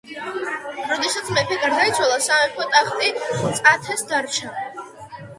როდესაც მეფე გარდაიცვალა, სამეფო ტახტი წათეს დარჩა.